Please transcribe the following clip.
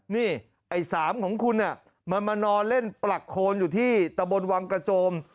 นี่ไอ้๓ของคุณมันมานอนเล่นปลักโคนอยู่ที่ตะบนวังกระโจม